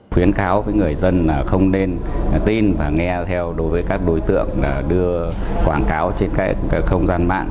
khuyến cáo với người dân là không nên tin và nghe theo đối với các đối tượng đưa quảng cáo trên các không gian mạng